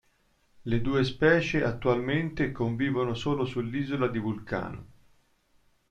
Le due specie attualmente convivono solo sull'isola di Vulcano.